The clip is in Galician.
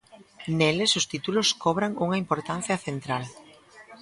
Neles, os títulos cobran unha importancia central.